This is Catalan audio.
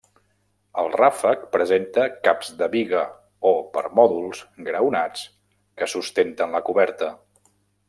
El ràfec presenta caps de biga o permòdols graonats, que sustenten la coberta.